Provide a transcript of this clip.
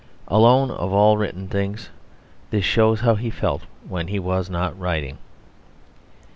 Alone, of all written things, this shows how he felt when he was not writing.